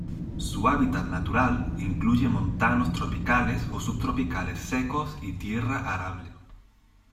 Su hábitat natural incluye montanos tropicales o subtropicales secos y tierra arable.